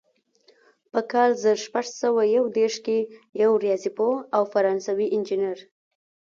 په کال زر شپږ سوه یو دېرش کې یو ریاضي پوه او فرانسوي انجینر.